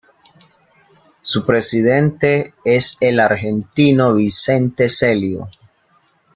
Su presidente es el argentino Vicente Celio.